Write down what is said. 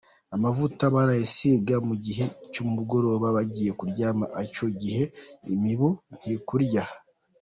Amavuta barayisiga mu gihe cy’umugoroba bagiye kuryama icyo gihe imibu ntikurya.